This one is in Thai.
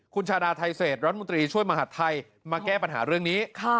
คุณชาดาไทเศษรัฐมนตรีช่วยมหาดไทยมาแก้ปัญหาเรื่องนี้